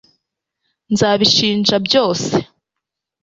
Nzabishinja byose